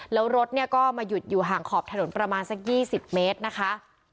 แล้วรถเนี่ยก็มาหยุดอยู่ห่างขอบถนนประมาณสัก๒๐เมตรนะคะ